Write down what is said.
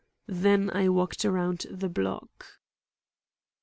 Then I walked around the block.